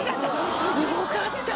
すごかった！